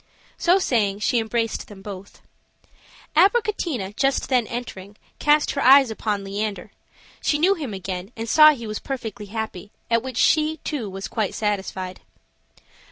So saying, she embraced them both. Abricotina, just then entering, cast her eyes upon Leander; she knew him again, and saw he was perfectly happy, at which she, too, was quite satisfied.